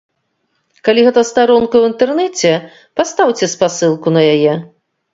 Калі гэта старонка ў інтэрнэце, пастаўце спасылку на яе.